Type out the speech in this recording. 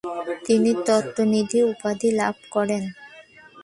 তিনি তত্ত্বনিধি উপাধি লাভ করেন।